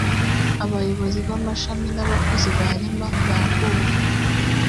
abayobozi b’amashami n’abakozi ba rema bahuye